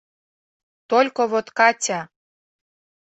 Только вот Катя...